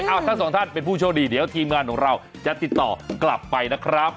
ทั้งสองท่านเป็นผู้โชคดีเดี๋ยวทีมงานของเราจะติดต่อกลับไปนะครับ